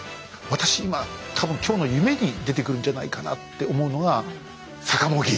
私今多分今日の夢に出てくるんじゃないかなって思うのがさかも木。